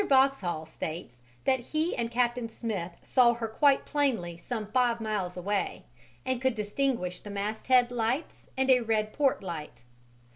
Boxhall states that he and Captain Smith saw her quite plainly some five miles away, and could distinguish the mast head lights and a red port light.